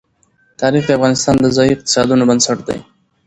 تاریخ د افغانستان د ځایي اقتصادونو بنسټ دی.